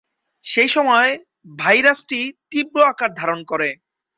সেইসময় ভাইরাসটি তীব্র আকার ধারণ করে।